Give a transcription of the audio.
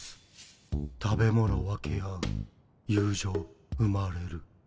食べ物分け合う友情生まれる。